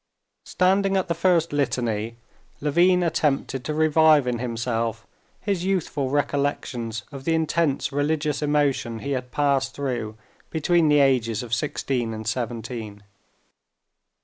Standing at the first litany, Levin attempted to revive in himself his youthful recollections of the intense religious emotion he had passed through between the ages of sixteen and seventeen.